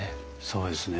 そうですね。